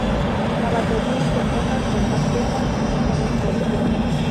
La batería se toca con baquetas o con escobillas.